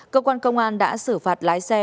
cơ quan công an đã xử phạt lái xe